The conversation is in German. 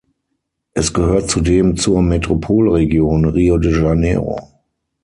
Es gehört zudem zur Metropolregion Rio de Janeiro.